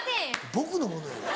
僕のものや。